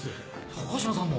高島さんも。